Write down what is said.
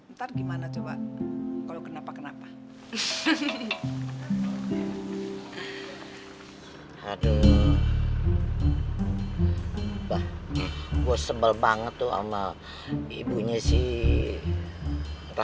ntar gimana coba kalo kenapa kenapa